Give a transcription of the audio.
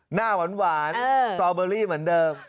หน้าหวานสตอเบอรี่เหมือนเดิม